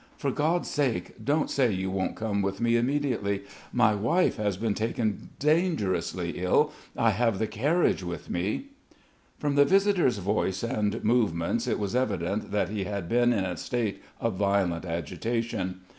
For God's sake, don't say you won't come with me immediately.... My wife has been taken dangerously ill.... I have the carriage with me...." From the visitor's voice and movements it was evident that he had been in a state of violent agitation.